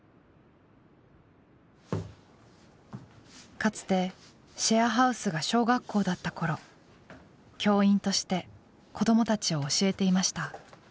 かつてシェアハウスが小学校だった頃教員として子どもたちを教えていました。